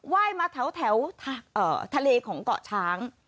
ว่ายมาแถวทะเลของเกาะช้าง